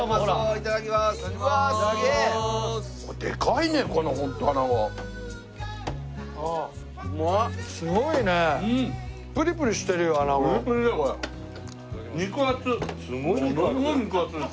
ものすごい肉厚ですよ